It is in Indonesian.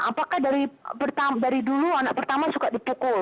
apakah dari dulu anak pertama suka dipukul